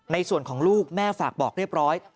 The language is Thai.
ในส่วนของลูกแม่ฝากบอกเรียบร้อย